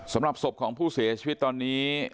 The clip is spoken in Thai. สำหรับศพของผู้เสียชีวิตตอนนี้